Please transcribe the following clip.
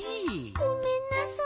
ごめんなさい。